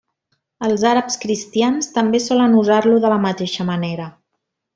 Els àrabs cristians també solen usar-lo de la mateixa manera.